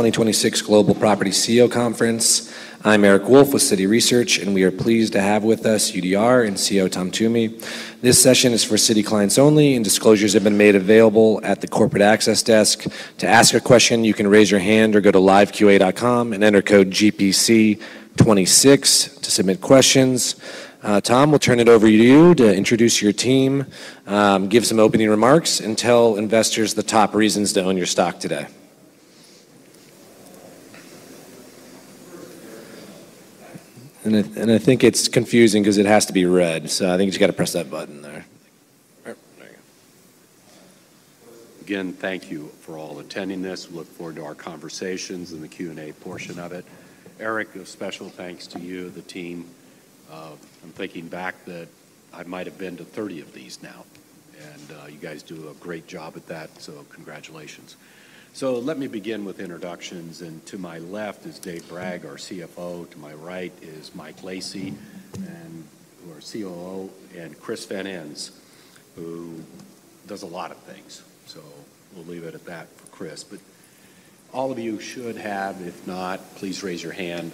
2026 Global Property CEO conference. I'm Eric Wolfe with Citi Research. We are pleased to have with us UDR and CEO Tom Toomey. This session is for Citi clients only. Disclosures have been made available at the corporate access desk. To ask a question, you can raise your hand or go to liveqa.com and enter code GPC 26 to submit questions. Tom, we'll turn it over to you to introduce your team, give some opening remarks. Tell investors the top reasons to own your stock today. I think it's confusing 'cause it has to be red. I think you just gotta press that button there. All right. There you go. Again, thank you for all attending this. We look forward to our conversations and the Q&A portion of it. Eric, a special thanks to you, the team. I'm thinking back that I might have been to 30 of these now. You guys do a great job at that, congratulations. Let me begin with introductions. To my left is Dave Bragg, our CFO. To my right is Mike Lacy, our COO, and Chris Van Ens, who does a lot of things. We'll leave it at that for Chris. All of you should have, if not, please raise your hand,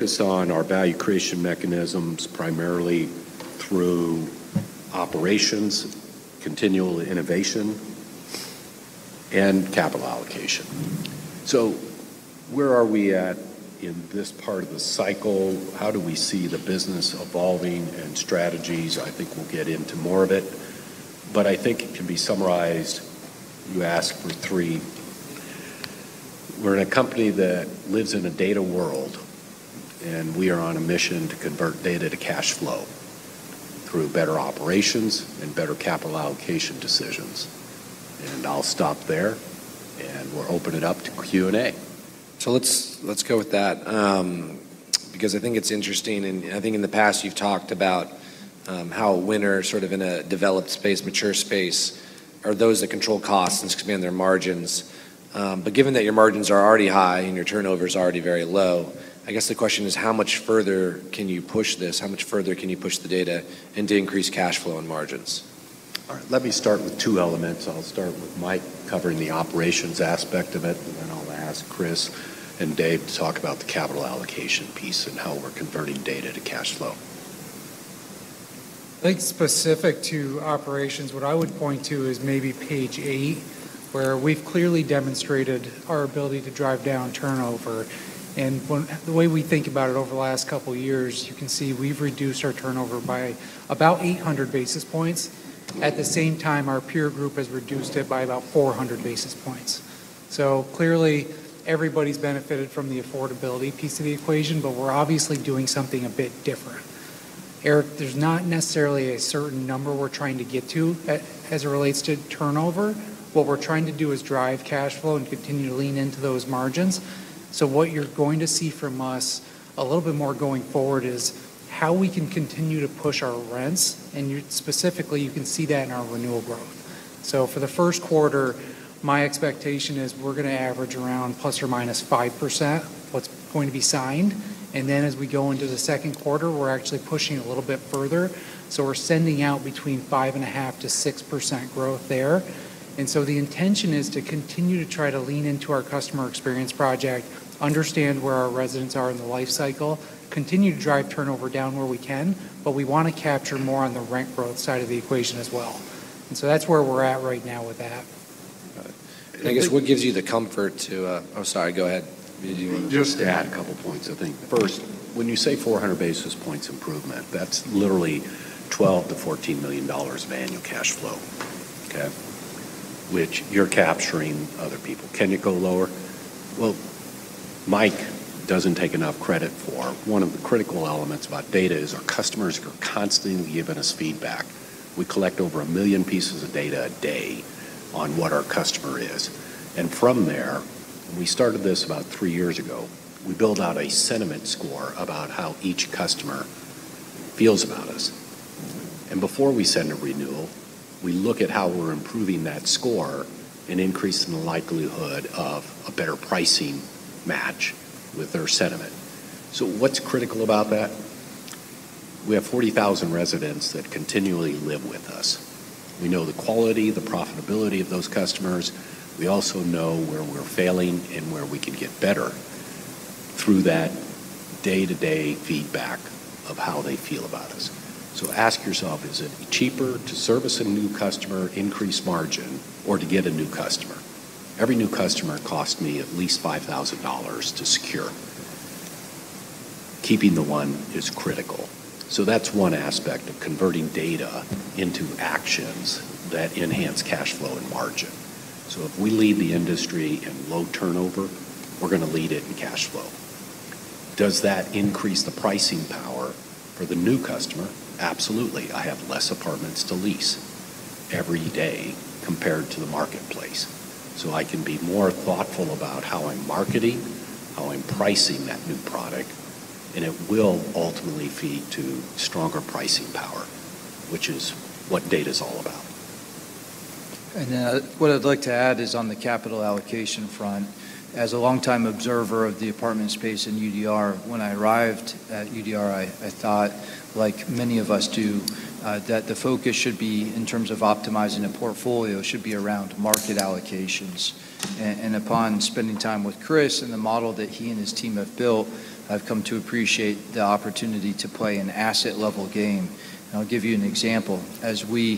focus on our value creation mechanisms, primarily through operations, continual innovation, and capital allocation. Where are we at in this part of the cycle? How do we see the business evolving and strategies? I think we'll get into more of it, but I think it can be summarized. You ask for three. We're in a company that lives in a data world, and we are on a mission to convert data to cash flow through better operations and better capital allocation decisions. I'll stop there, and we'll open it up to Q&A. Let's go with that, because I think it's interesting, and I think in the past you've talked about how a winner sort of in a developed space, mature space, are those that control costs and expand their margins. Given that your margins are already high and your turnover is already very low, I guess the question is: How much further can you push this? How much further can you push the data and to increase cash flow and margins? All right. Let me start with two elements. I'll start with Mike covering the operations aspect of it. Then I'll ask Chris and Dave to talk about the capital allocation piece and how we're converting data to cash flow. I think specific to operations, what I would point to is maybe page eight, where we've clearly demonstrated our ability to drive down turnover. The way we think about it over the last couple of years, you can see we've reduced our turnover by about 800 basis points. At the same time, our peer group has reduced it by about 400 basis points. Clearly, everybody's benefited from the affordability piece of the equation, but we're obviously doing something a bit different. Eric, there's not necessarily a certain number we're trying to get to as it relates to turnover. What we're trying to do is drive cash flow and continue to lean into those margins. What you're going to see from us a little bit more going forward is how we can continue to push our rents, specifically, you can see that in our renewal growth. For the first quarter, my expectation is we're going to average around ±5% what's going to be signed. As we go into the second quarter, we're actually pushing a little bit further. We're sending out between 5.5%-6% growth there. The intention is to continue to try to lean into our customer experience project, understand where our residents are in the life cycle, continue to drive turnover down where we can, but we want to capture more on the rent growth side of the equation as well. That's where we're at right now with that. I guess what gives you the comfort to. Oh, sorry. Go ahead. Did you. Just to add a couple of points, I think. First, when you say 400 basis points improvement, that's literally $12 million-$14 million of annual cash flow, okay? Which you're capturing other people. Can you go lower? Well, Mike doesn't take enough credit for one of the critical elements about data is our customers are constantly giving us feedback. We collect over 1 million pieces of data a day on what our customer is. From there, we started this about three years ago. We build out a sentiment score about how each customer feels about us. Before we send a renewal, we look at how we're improving that score and increasing the likelihood of a better pricing match with their sentiment. What's critical about that? We have 40,000 residents that continually live with us. We know the quality, the profitability of those customers. We also know where we're failing and where we can get better through that day-to-day feedback of how they feel about us. Ask yourself, is it cheaper to service a new customer, increase margin, or to get a new customer? Every new customer costs me at least $5,000 to secure. Keeping the one is critical. That's one aspect of converting data into actions that enhance cash flow and margin. If we lead the industry in low turnover, we're gonna lead it in cash flow. Does that increase the pricing power for the new customer? Absolutely. I have less apartments to lease every day compared to the marketplace. I can be more thoughtful about how I'm marketing, how I'm pricing that new product, and it will ultimately feed to stronger pricing power, which is what data's all about. What I'd like to add is on the capital allocation front. As a longtime observer of the apartment space in UDR, when I arrived at UDR, I thought, like many of us do, that the focus should be, in terms of optimizing a portfolio, should be around market allocations. Upon spending time with Chris and the model that he and his team have built, I've come to appreciate the opportunity to play an asset-level game. I'll give you an example. As we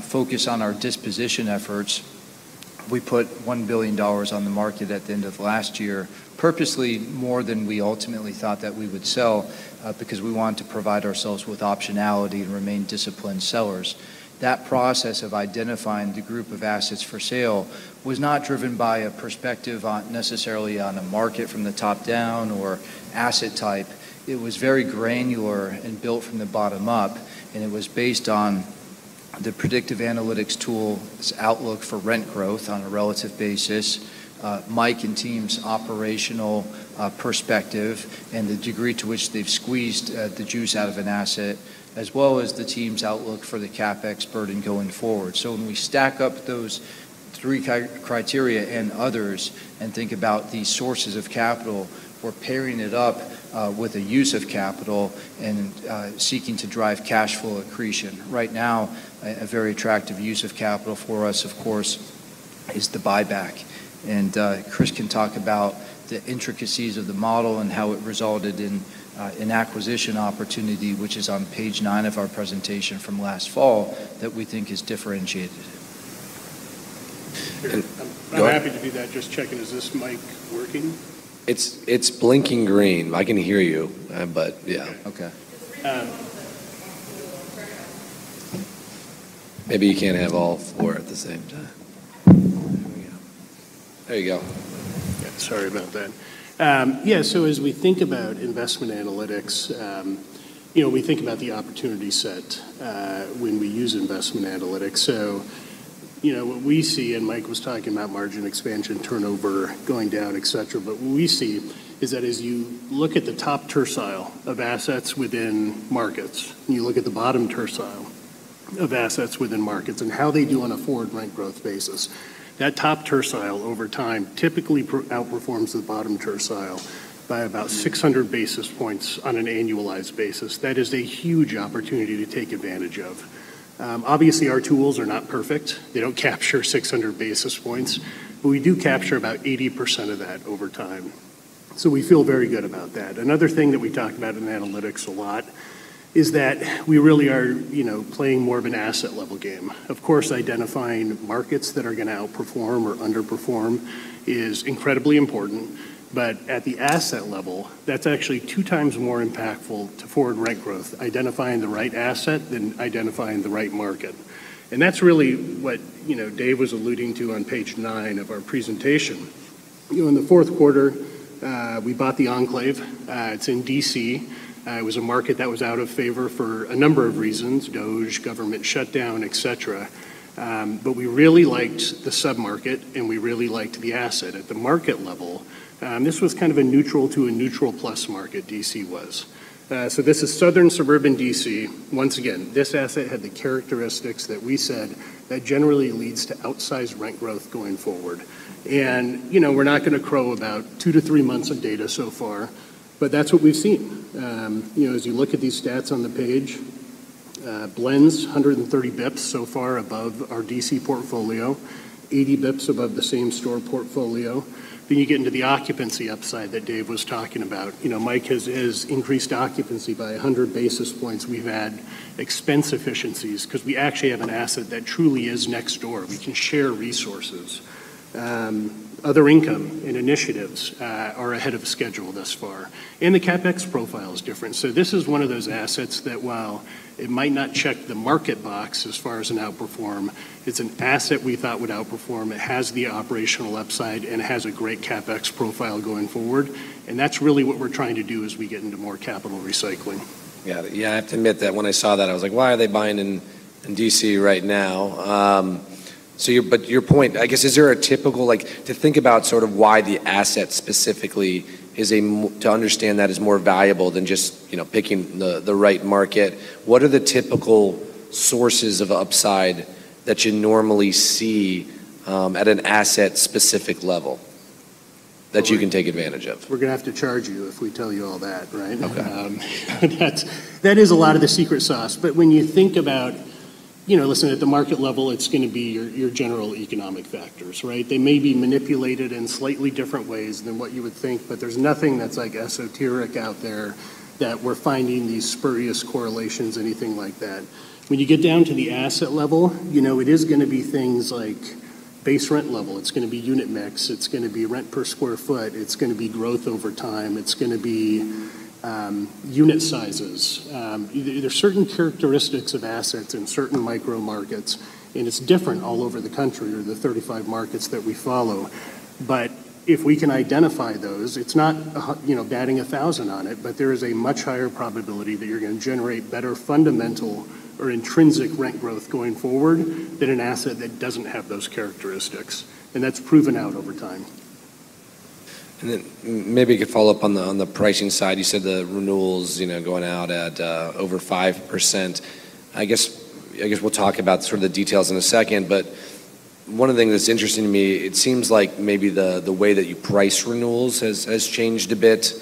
focus on our disposition efforts, we put $1 billion on the market at the end of last year, purposely more than we ultimately thought that we would sell, because we wanted to provide ourselves with optionality and remain disciplined sellers. That process of identifying the group of assets for sale was not driven by a perspective on, necessarily on a market from the top-down or asset type. It was very granular and built from the bottom up, and it was based on the predictive analytics tool's outlook for rent growth on a relative basis, Mike and team's operational perspective and the degree to which they've squeezed the juice out of an asset, as well as the team's outlook for the CapEx burden going forward. When we stack up those three criteria and others and think about the sources of capital, we're pairing it up with a use of capital and seeking to drive cash flow accretion. Right now, a very attractive use of capital for us, of course, is the buyback. Chris can talk about the intricacies of the model and how it resulted in an acquisition opportunity, which is on page nine of our presentation from last fall, that we think is differentiated. And- Chris, Go- I'm happy to do that. Just checking, is this mic working? It's blinking green. I can hear you. Yeah. Okay. There's three of them on the... Maybe you can't have all four at the same time. There we go. There you go. Sorry about that. As we think about investment analytics, you know, we think about the opportunity set when we use investment analytics. You know, what we see, and Mike was talking about margin expansion, turnover going down, et cetera, but what we see is that as you look at the top tercile of assets within markets, and you look at the bottom tercile of assets within markets and how they do on a forward rent growth basis, that top tercile over time typically outperforms the bottom tercile by about 600 basis points on an annualized basis. That is a huge opportunity to take advantage of. Obviously, our tools are not perfect. They don't capture 600 basis points, but we do capture about 80% of that over time. We feel very good about that. Another thing that we talk about in analytics a lot is that we really are, you know, playing more of an asset-level game. Of course, identifying markets that are gonna outperform or underperform is incredibly important. At the asset level, that's actually 2 times more impactful to forward rent growth, identifying the right asset than identifying the right market. That's really what, you know, Dave was alluding to on page 9 of our presentation. You know, in the 4th quarter, we bought The Enclave. It's in D.C. It was a market that was out of favor for a number of reasons, DOGE, government shutdown, et cetera. We really liked the sub-market, and we really liked the asset. At the market level, this was kind of a neutral to a neutral plus market, D.C. was. This is southern suburban D.C. Once again, this asset had the characteristics that we said that generally leads to outsized rent growth going forward. You know, we're not going to crow about two to three months of data so far, but that's what we've seen. You know, as you look at these stats on the page, blends 130 basis points so far above our D.C. portfolio, 80 basis points above the same-store portfolio. You get into the occupancy upside that Dave Bragg was talking about. You know, Mike Lacy has increased occupancy by 100 basis points. We've had expense efficiencies 'cause we actually have an asset that truly is next door. We can share resources. Other income and initiatives are ahead of schedule thus far. The CapEx profile is different. This is one of those assets that while it might not check the market box as far as an outperform, it's an asset we thought would outperform. It has the operational upside, and it has a great CapEx profile going forward, and that's really what we're trying to do as we get into more capital recycling. I have to admit that when I saw that, I was like, "Why are they buying in D.C. right now?" Your point, I guess, like, to think about sort of why the asset specifically is to understand that is more valuable than just, you know, picking the right market, what are the typical sources of upside that you normally see at an asset-specific level that you can take advantage of? We're gonna have to charge you if we tell you all that, right? Okay. That is a lot of the secret sauce. When you think about, you know, listen, at the market level, it's gonna be your general economic factors, right? They may be manipulated in slightly different ways than what you would think, but there's nothing that's, like, esoteric out there that we're finding these spurious correlations, anything like that. When you get down to the asset level, you know, it is gonna be things like base rent level. It's gonna be unit mix. It's gonna be rent per square foot. It's gonna be growth over time. It's gonna be. Unit sizes. There are certain characteristics of assets in certain micro markets, and it's different all over the country or the 35 markets that we follow. If we can identify those, it's not a you know, adding a 1,000 on it, but there is a much higher probability that you're gonna generate better fundamental or intrinsic rent growth going forward than an asset that doesn't have those characteristics. That's proven out over time. Then maybe I could follow up on the pricing side. You said the renewals, you know, going out at over 5%. I guess we'll talk about sort of the details in a second. One of the things that's interesting to me, it seems like maybe the way that you price renewals has changed a bit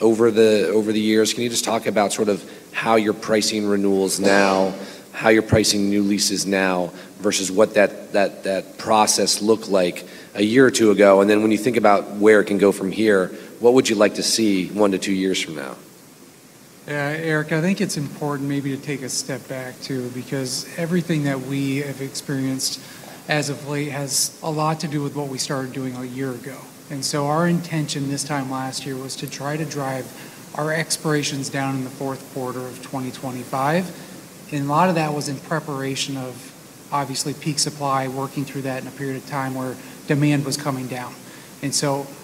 over the years. Can you just talk about sort of how you're pricing renewals now, how you're pricing new leases now versus what that process looked like a year or two ago? Then when you think about where it can go from here, what would you like to see one to two years from now? Eric, I think it's important maybe to take a step back too, because everything that we have experienced as of late has a lot to do with what we started doing a year ago. Our intention this time last year was to try to drive our expirations down in the fourth quarter of 2025. A lot of that was in preparation of obviously peak supply, working through that in a period of time where demand was coming down.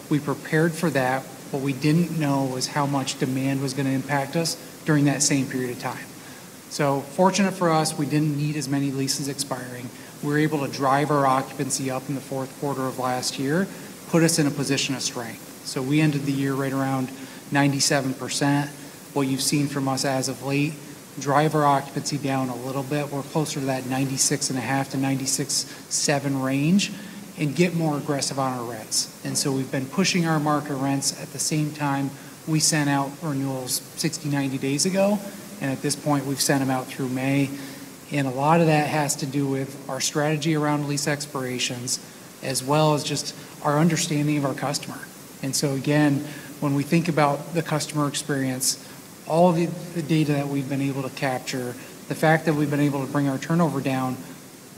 We prepared for that. What we didn't know was how much demand was gonna impact us during that same period of time. Fortunate for us, we didn't need as many leases expiring. We were able to drive our occupancy up in the fourth quarter of last year, put us in a position of strength. We ended the year right around 97%. What you've seen from us as of late, drive our occupancy down a little bit. We're closer to that 96.5 to 96.7 range and get more aggressive on our rents. We've been pushing our market rents. At the same time, we sent out renewals 60, 90 days ago. At this point we've sent them out through May. A lot of that has to do with our strategy around lease expirations as well as just our understanding of our customer. Again, when we think about the customer experience, all of the data that we've been able to capture, the fact that we've been able to bring our turnover down,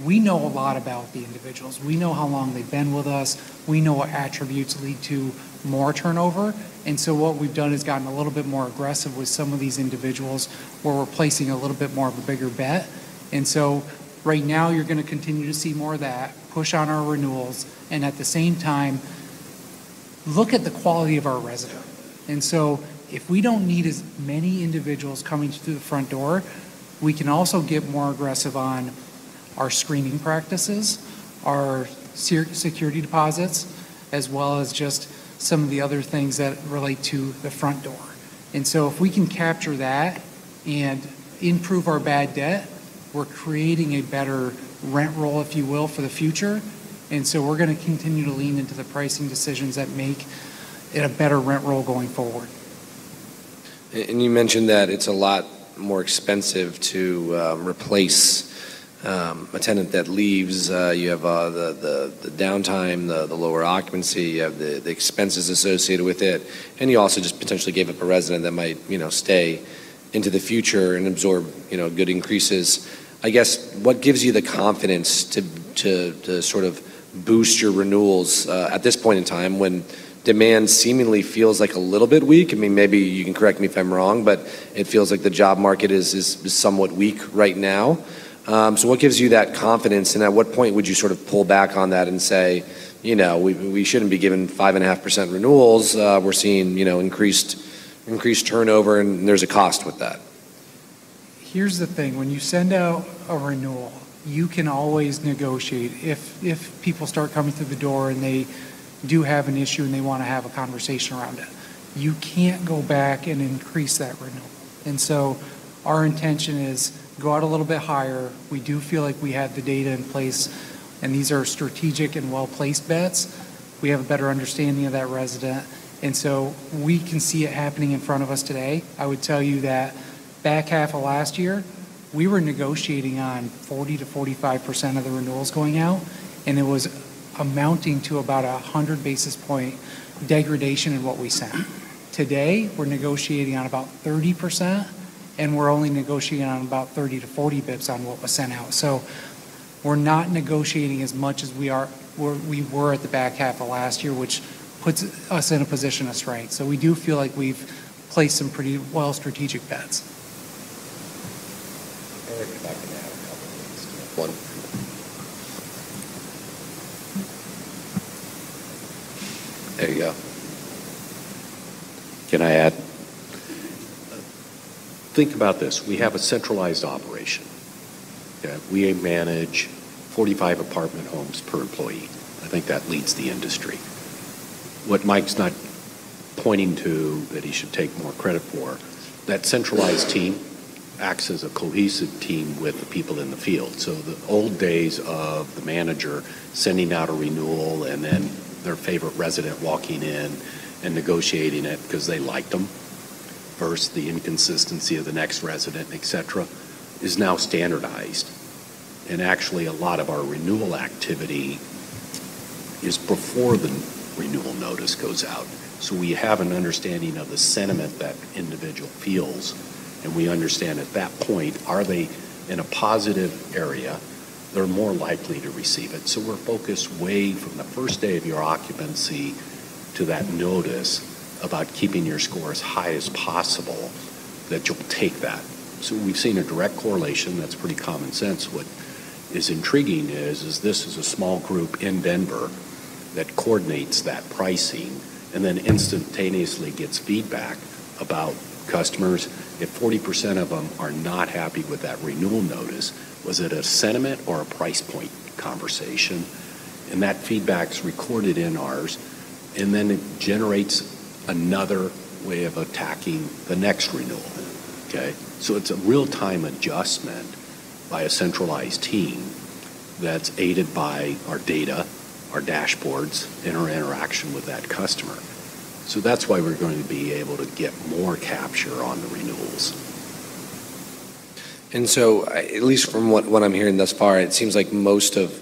we know a lot about the individuals. We know how long they've been with us. We know what attributes lead to more turnover. What we've done is gotten a little bit more aggressive with some of these individuals where we're placing a little bit more of a bigger bet. Right now you're gonna continue to see more of that push on our renewals and at the same time look at the quality of our resident. If we don't need as many individuals coming through the front door, we can also get more aggressive on our screening practices, our security deposits, as well as just some of the other things that relate to the front door. If we can capture that and improve our bad debt, we're creating a better rent roll, if you will, for the future. We're gonna continue to lean into the pricing decisions that make it a better rent roll going forward. You mentioned that it's a lot more expensive to replace a tenant that leaves. You have the downtime, the lower occupancy. You have the expenses associated with it, and you also just potentially gave up a resident that might, you know, stay into the future and absorb, you know, good increases. I guess, what gives you the confidence to sort of boost your renewals at this point in time when demand seemingly feels like a little bit weak? I mean, maybe you can correct me if I'm wrong, but it feels like the job market is somewhat weak right now. What gives you that confidence, and at what point would you sort of pull back on that and say, "You know, we shouldn't be giving 5.5% renewals. We're seeing, you know, increased turnover, there's a cost with that. Here's the thing. When you send out a renewal, you can always negotiate if people start coming through the door and they do have an issue and they wanna have a conversation around it. You can't go back and increase that renewal. Our intention is go out a little bit higher. We do feel like we have the data in place, and these are strategic and well-placed bets. We have a better understanding of that resident. We can see it happening in front of us today. I would tell you that back half of last year, we were negotiating on 40%-45% of the renewals going out, and it was amounting to about a 100 basis point degradation in what we sent. Today, we're negotiating on about 30%. We're only negotiating on about 30 to 40 basis points on what was sent out. We're not negotiating as much as we were at the back half of last year, which puts us in a position of strength. We do feel like we've placed some pretty well strategic bets. Eric, if I can add a couple things. There you go. Can I add? Think about this. We have a centralized operation. Yeah, we manage 45 apartment homes per employee. I think that leads the industry. What Mike's not pointing to that he should take more credit for, that centralized team acts as a cohesive team with the people in the field. The old days of the manager sending out a renewal and then their favorite resident walking in and negotiating it because they liked them versus the inconsistency of the next resident, et cetera, is now standardized. Actually, a lot of our renewal activity is before the renewal notice goes out. We have an understanding of the sentiment that individual feels, and we understand at that point, are they in a positive area. They're more likely to receive it. We're focused way from the first day of your occupancy to that notice about keeping your score as high as possible that you'll take that. We've seen a direct correlation. That's pretty common sense. What is intriguing is, this is a small group in Denver that coordinates that pricing and then instantaneously gets feedback about customers. If 40% of them are not happy with that renewal notice, was it a sentiment or a price point conversation? That feedback's recorded in ours, and then it generates another way of attacking the next renewal. Okay? It's a real-time adjustment by a centralized team that's aided by our data, our dashboards, and our interaction with that customer. That's why we're going to be able to get more capture on the renewals. At least from what I'm hearing thus far, it seems like most of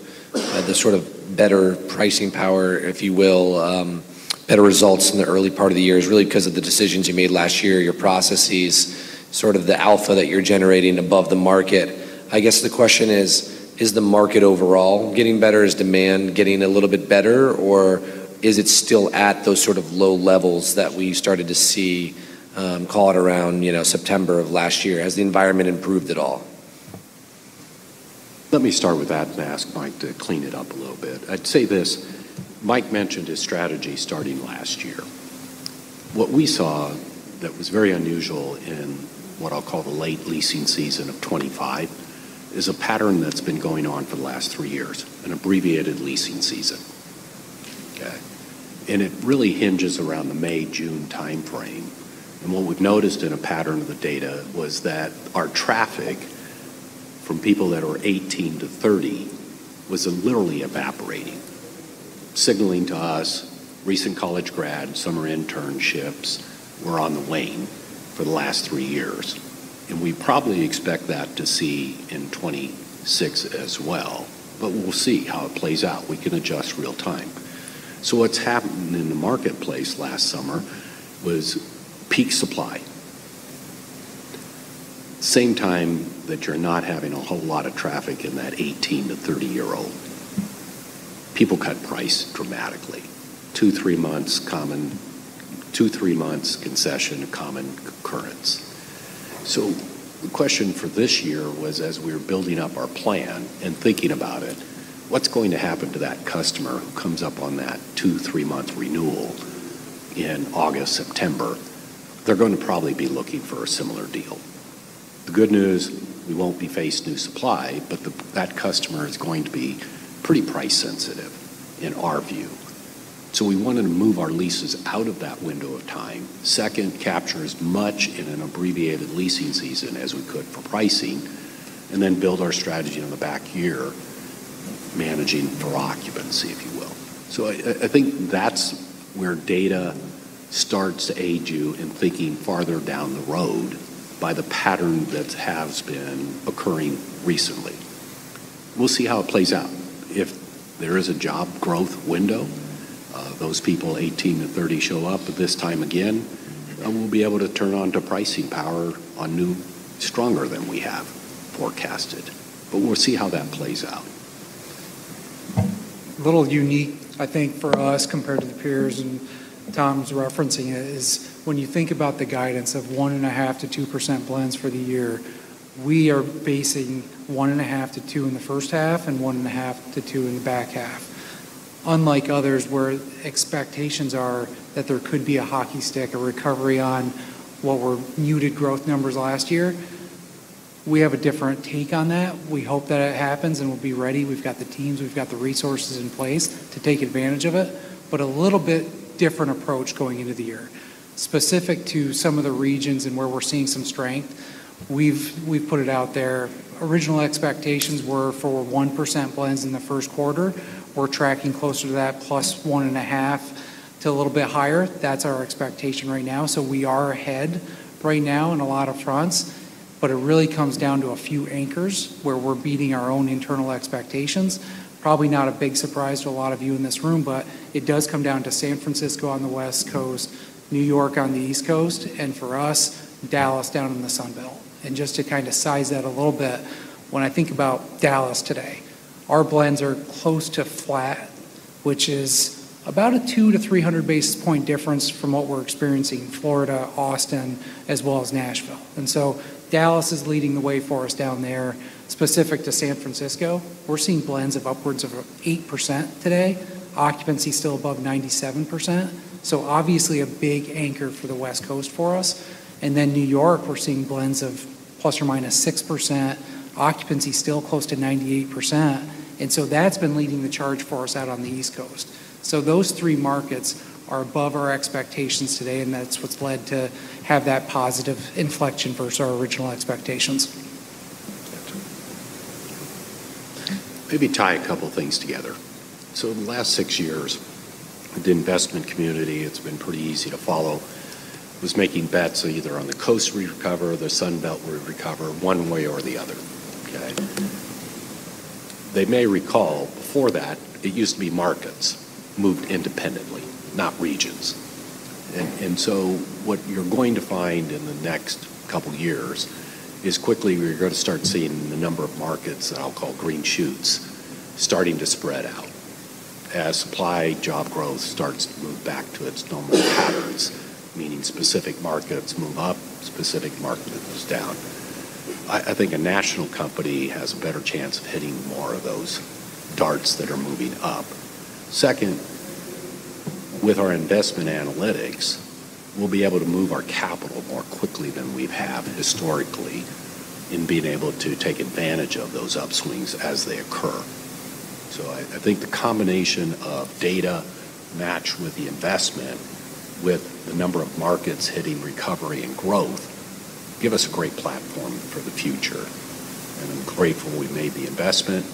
the sort of better pricing power, if you will, better results in the early part of the year is really because of the decisions you made last year, your processes, sort of the alpha that you're generating above the market. I guess the question is the market overall getting better? Is demand getting a little bit better? Or is it still at those sort of low levels that we started to see, call it around, you know, September of last year? Has the environment improved at all? Let me start with that and ask Mike to clean it up a little bit. I'd say this, Mike mentioned his strategy starting last year. What we saw that was very unusual in what I'll call the late leasing season of 2025 is a pattern that's been going on for the last three years, an abbreviated leasing season. Okay? It really hinges around the May, June timeframe. What we've noticed in a pattern of the data was that our traffic from people that are 18 to 30 was literally evaporating, signaling to us recent college grads, summer internships were on the wane for the last three years. We probably expect that to see in 2026 as well. We'll see how it plays out. We can adjust real time. What's happened in the marketplace last summer was peak supply. Same time that you're not having a whole lot of traffic in that 18 to 30-year-old. People cut price dramatically. two, three months concession a common occurrence. The question for this year was, as we were building up our plan and thinking about it, what's going to happen to that customer who comes up on that two, three-month renewal in August, September? They're going to probably be looking for a similar deal. The good news, we won't be faced new supply, but that customer is going to be pretty price sensitive in our view. We wanted to move our leases out of that window of time. Second, capture as much in an abbreviated leasing season as we could for pricing, and then build our strategy on the back-year managing for occupancy, if you will. I think that's where data starts to aid you in thinking farther down the road by the pattern that has been occurring recently. We'll see how it plays out. If there is a job growth window, those people 18 to 30 show up this time again, we'll be able to turn on to pricing power on new stronger than we have forecasted. We'll see how that plays out. A little unique, I think, for us compared to the peers, and Tom's referencing it, is when you think about the guidance of 1.5%-2% blends for the year, we are basing 1.5%-2% in the first half and 1.5%-2% in the back half. Unlike others where expectations are that there could be a hockey stick, a recovery on what were muted growth numbers last year, we have a different take on that. We hope that it happens, and we'll be ready. We've got the teams. We've got the resources in place to take advantage of it, but a little bit different approach going into the year. Specific to some of the regions and where we're seeing some strength, we've put it out there. Original expectations were for 1% blends in the first quarter. We're tracking closer to that plus 1.5 to a little bit higher. That's our expectation right now. We are ahead right now on a lot of fronts, but it really comes down to a few anchors where we're beating our own internal expectations. Probably not a big surprise to a lot of you in this room, but it does come down to San Francisco on the West Coast, New York on the East Coast, and for us, Dallas down in the Sun Belt. Just to kind of size that a little bit, when I think about Dallas today, our blends are close to flat, which is about a 200-300 basis point difference from what we're experiencing in Florida, Austin, as well as Nashville. Dallas is leading the way for us down there. Specific to San Francisco, we're seeing blends of upwards of 8% today. Occupancy still above 97%. Obviously a big anchor for the West Coast for us. New York, we're seeing blends of ±6%. Occupancy still close to 98%. That's been leading the charge for us out on the East Coast. Those three markets are above our expectations today, and that's what's led to have that positive inflection versus our original expectations. Maybe tie a couple things together. The last six years, the investment community, it's been pretty easy to follow, was making bets either on the coast we recover, the Sun Belt we recover one way or the other. Okay? They may recall before that it used to be markets moved independently, not regions. What you're going to find in the next couple years is quickly we're going to start seeing the number of markets that I'll call green shoots starting to spread out as supply job growth starts to move back to its normal patterns, meaning specific markets move up, specific markets down. I think a national company has a better chance of hitting more of those darts that are moving up. Second, with our investment analytics, we'll be able to move our capital more quickly than we have historically in being able to take advantage of those upswings as they occur. I think the combination of data matched with the investment with the number of markets hitting recovery and growth give us a great platform for the future. I'm grateful we made the investment,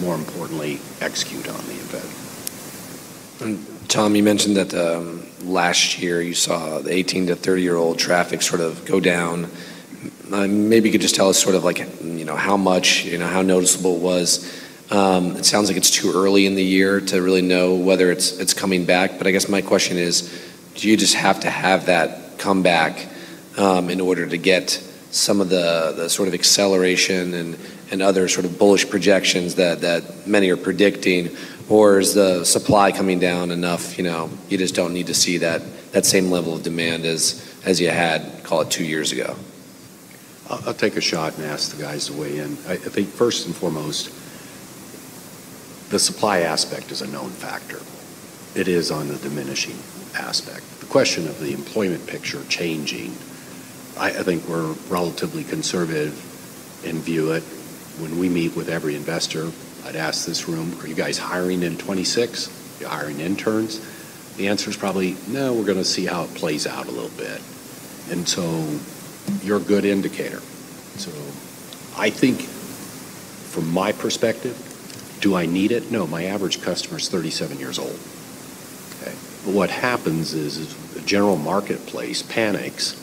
more importantly, execute on the event. Tom, you mentioned that last year you saw the 18- to 30-year-old traffic sort of go down. Maybe you could just tell us sort of like, you know, how much, you know, how noticeable it was. It sounds like it's too early in the year to really know whether it's coming back. I guess my question is, do you just have to have that come back in order to get some of the sort of acceleration and other sort of bullish projections that many are predicting? Or is the supply coming down enough, you know, you just don't need to see that same level of demand as you had, call it, two years ago? I'll take a shot and ask the guys to weigh in. I think first and foremost, the supply aspect is a known factor. It is on the diminishing aspect. The question of the employment picture changing, I think we're relatively conservative in view it. When we meet with every investor, I'd ask this room, are you guys hiring in 2026? Are you hiring interns? The answer is probably no, we're going to see how it plays out a little bit. You're a good indicator. I think from my perspective, do I need it? No, my average customer is 37 years old. What happens is the general marketplace panics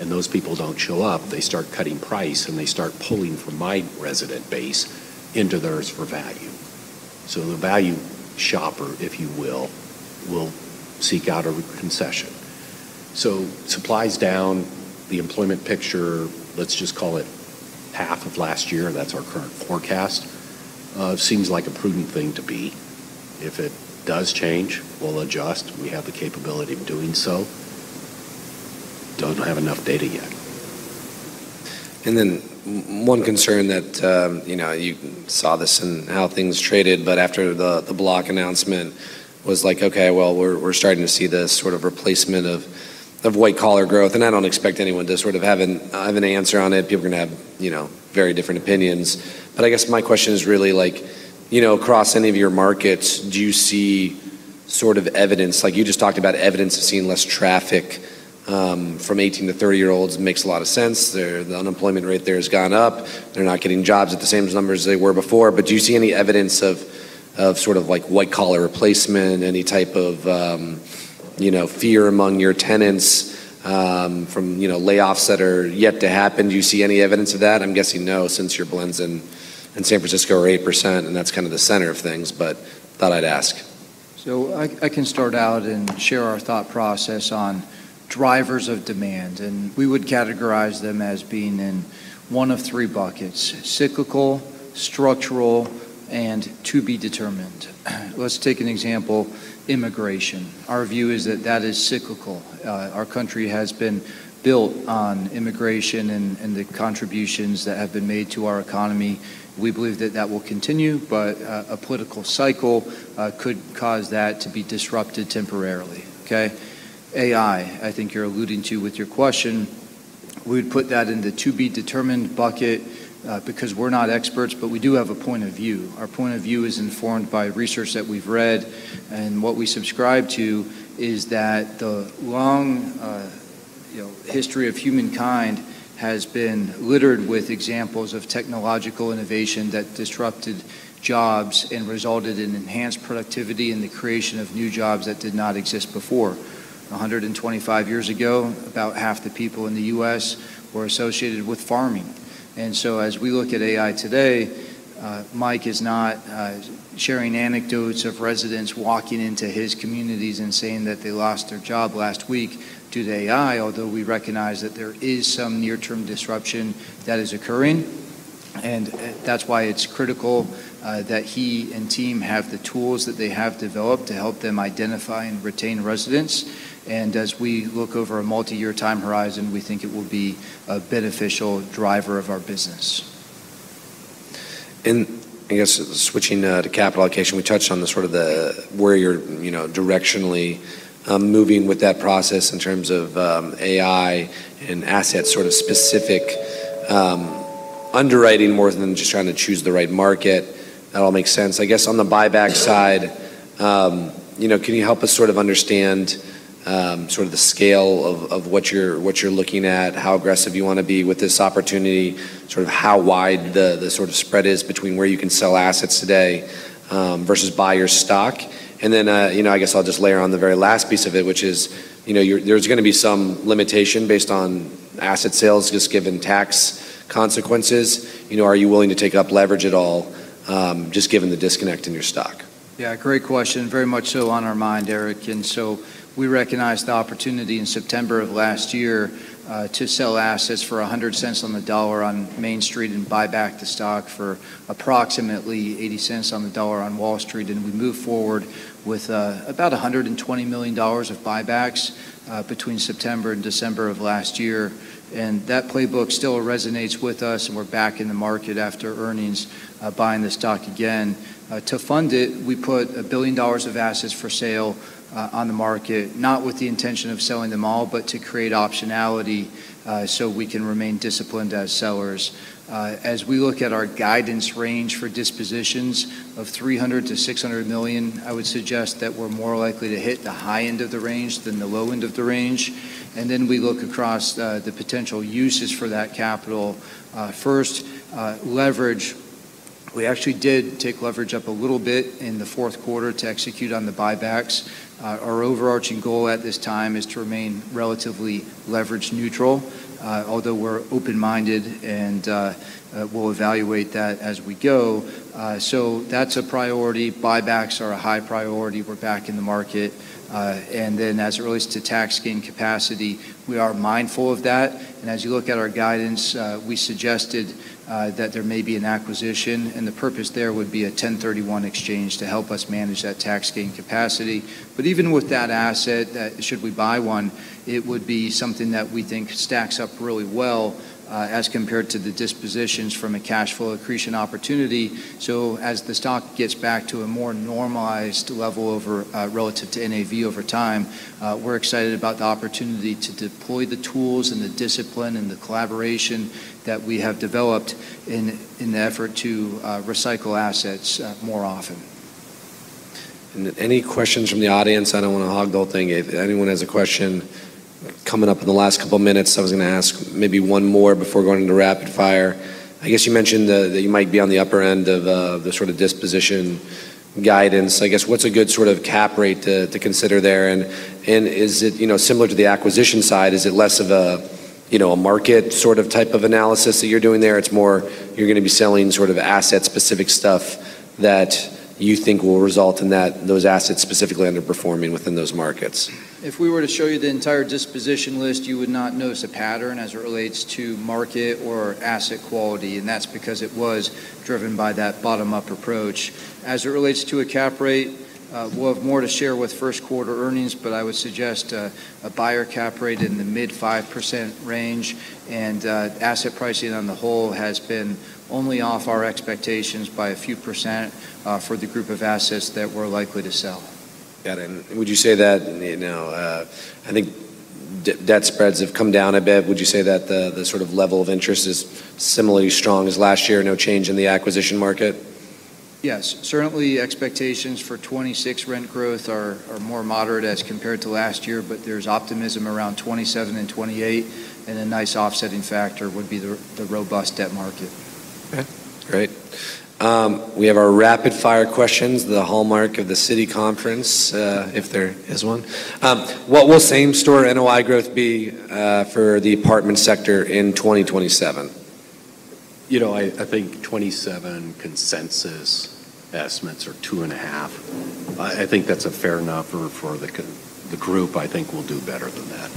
and those people don't show up. They start cutting price and they start pulling from my resident base into theirs for value. The value shopper, if you will seek out a concession. Supply's down. The employment picture, let's just call it half of last year. That's our current forecast. Seems like a prudent thing to be. If it does change, we'll adjust. We have the capability of doing so. Don't have enough data yet. One concern that, you know, you saw this in how things traded, but after the Block announcement was like, okay, well, we're starting to see this sort of replacement of white collar growth. I don't expect anyone to sort of have an answer on it. People are going to have, you know, very different opinions. I guess my question is really like, you know, across any of your markets, do you see sort of evidence, like you just talked about evidence of seeing less traffic from 18 to 30-year-olds makes a lot of sense. The unemployment rate there has gone up. They're not getting jobs at the same numbers they were before. Do you see any evidence of sort of like white collar replacement, any type of, you know, fear among your tenants from, you know, layoffs that are yet to happen? Do you see any evidence of that? I'm guessing no, since your blends in San Francisco are 8%. That's kind of the center of things. I thought I'd ask. I can start out and share our thought process on drivers of demand. We would categorize them as being in one of three buckets, cyclical, structural, and to be determined. Let's take an example, immigration. Our view is that that is cyclical. Our country has been built on immigration and the contributions that have been made to our economy. We believe that that will continue. A political cycle could cause that to be disrupted temporarily. Okay. AI, I think you're alluding to with your question. We would put that in the to be determined bucket because we're not experts, but we do have a point of view. Our point of view is informed by research that we've read. What we subscribe to is that the long history of humankind has been littered with examples of technological innovation that disrupted jobs and resulted in enhanced productivity and the creation of new jobs that did not exist before. 125 years ago, about half the people in the U.S. were associated with farming. As we look at AI today, Mike is not sharing anecdotes of residents walking into his communities and saying that they lost their job last week to the AI, although we recognize that there is some near-term disruption that is occurring. That's why it's critical that he and team have the tools that they have developed to help them identify and retain residents. As we look over a multi-year time horizon, we think it will be a beneficial driver of our business. I guess switching to capital allocation, we touched on the sort of the where you're directionally moving with that process in terms of AI and asset sort of specific underwriting more than just trying to choose the right market. That all makes sense. On the buyback side, can you help us sort of understand sort of the scale of what you're looking at, how aggressive you want to be with this opportunity, sort of how wide the sort of spread is between where you can sell assets today versus buy your stock? I guess I'll just layer on the very last piece of it, which is there's going to be some limitation based on asset sales just given tax consequences. Are you willing to take up leverage at all just given the disconnect in your stock? Yeah, great question. Very much so on our mind, Eric. We recognized the opportunity in September of last year to sell assets for $0.100 on the dollar on Main Street and buy back the stock for approximately $0.80 on the dollar on Wall Street. We moved forward with about $120 million of buybacks between September and December of last year. That playbook still resonates with us, and we're back in the market after earnings buying the stock again. To fund it, we put $1 billion of assets for sale on the market, not with the intention of selling them all, but to create optionality so we can remain disciplined as sellers. As we look at our guidance range for dispositions of $300 million-$600 million, I would suggest that we're more likely to hit the high end of the range than the low end of the range. We look across the potential uses for that capital. First, leverage, we actually did take leverage up a little bit in the fourth quarter to execute on the buybacks. Our overarching goal at this time is to remain relatively leverage neutral, although we're open-minded and we'll evaluate that as we go. So that's a priority. Buybacks are a high priority. We're back in the market. As it relates to tax gain capacity, we are mindful of that. As you look at our guidance, we suggested that there may be an acquisition, and the purpose there would be a 1031 exchange to help us manage that tax gain capacity. Even with that asset, should we buy one, it would be something that we think stacks up really well, as compared to the dispositions from a cash flow accretion opportunity. As the stock gets back to a more normalized level over relative to NAV over time, we're excited about the opportunity to deploy the tools and the discipline and the collaboration that we have developed in the effort to recycle assets more often. Any questions from the audience? I don't want to hog the whole thing. If anyone has a question coming up in the last couple of minutes, I was going to ask maybe one more before going into rapid fire. I guess you mentioned that you might be on the upper end of the sort of disposition guidance. I guess what's a good sort of cap rate to consider there? And is it, you know, similar to the acquisition side, is it less of a, you know, a market sort of type of analysis that you're doing there? It's more you're going to be selling sort of asset-specific stuff that you think will result in those assets specifically underperforming within those markets. If we were to show you the entire disposition list, you would not notice a pattern as it relates to market or asset quality, and that's because it was driven by that bottom-up approach. As it relates to a cap rate, we'll have more to share with first quarter earnings, but I would suggest a buyer cap rate in the mid-5% range. Asset pricing on the whole has been only off our expectations by a few % for the group of assets that we're likely to sell. Got it. Would you say that, you know, I think debt spreads have come down a bit. Would you say that the sort of level of interest is similarly strong as last year? No change in the acquisition market? Yes. Certainly expectations for 2026 rent growth are more moderate as compared to last year, but there's optimism around 2027 and 2028, and a nice offsetting factor would be the robust debt market. Okay. Great. We have our rapid fire questions, the hallmark of the Citi conference, if there is one. What will Same-store NOI growth be for the apartment sector in 2027? You know, I think 27 consensus estimates are 2.5%. I think that's a fair number for the group. I think we'll do better than that.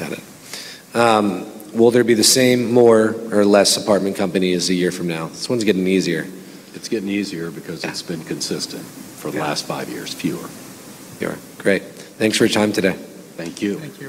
Got it. Will there be the same, more, or less apartment companies a year from now? This one's getting easier. It's getting easier because it's been consistent for the last five years, fewer. Fewer. Great. Thanks for your time today. Thank you. Thank you.